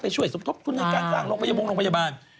ช่วยสมทบทุนในการสร้างโรงพยาบาล